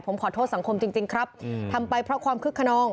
ผมขอโทษสังคมจริงครับทำไปเพราะความคึกขนอง